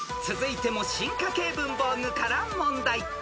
［続いても進化系文房具から問題］